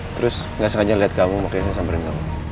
terus nggak sengaja liat kamu makanya saya sambarin kamu